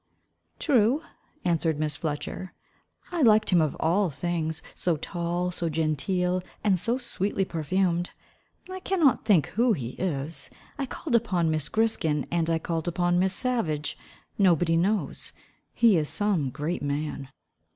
"True," answered Miss Fletcher, "I liked him of all things; so tall, so genteel, and so sweetly perfumed. I cannot think who he is. I called upon Miss Griskin, and I called upon Miss Savage, nobody knows. He is some great man."